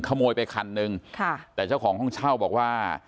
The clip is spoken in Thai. ขโมยไปคันนึงค่ะแต่เจ้าของห้องเช่าบอกว่า